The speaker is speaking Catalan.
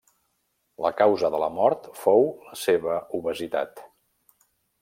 La causa de la mort fou la seva obesitat.